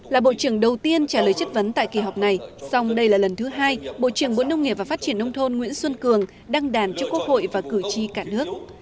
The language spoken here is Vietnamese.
là bộ trưởng đầu tiên trả lời chất vấn tại kỳ họp này song đây là lần thứ hai bộ trưởng bộ nông nghiệp và phát triển nông thôn nguyễn xuân cường đăng đàn cho quốc hội và cử tri cả nước